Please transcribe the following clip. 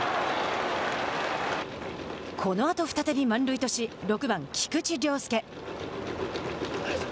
このあと再び満塁とし６番菊池涼介。